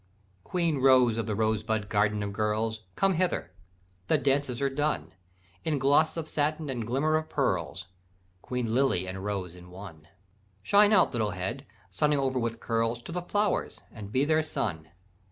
"Queen rose of the rosebud garden of girls, Come hither, the dances are done, In gloss of satin, and glimmer of pearls, Queen lily and rose in one; Shine out, little head, sunning over with curls, To the flowers and be their sun.